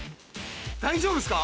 大丈夫っすか？